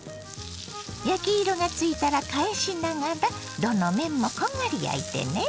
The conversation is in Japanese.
焼き色がついたら返しながらどの面もこんがり焼いてね。